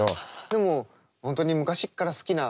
でも本当に昔から好きな。